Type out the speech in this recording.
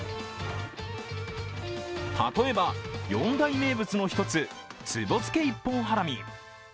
例えば、４大名物の一つ壺漬け一本ハラミ。